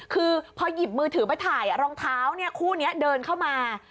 คือพอหยิบมือถือไปถ่ายรองเท้าคู่นี้เดินเข้ามา